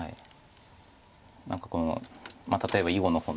何かこの例えば囲碁の本。